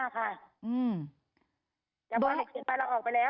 ข๑๙๔๓จากบาทเพิ่มสูญใบละออกไปแล้ว